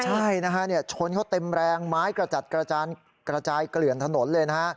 ใช่นะฮะชนเขาเต็มแรงไม้กระจัดกระจายเกลื่อนถนนเลยนะฮะ